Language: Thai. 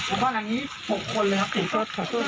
โอ้โอเคครับ